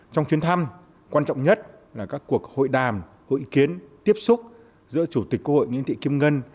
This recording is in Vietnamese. trong chuyến thăm quan trọng nhất là các cuộc hội đàm hội ý kiến tiếp xúc giữa chủ tịch quốc hội nguyễn thị kim ngân